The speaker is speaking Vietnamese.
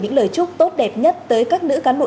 những lời chúc tốt đẹp nhất tới các nữ cán bộ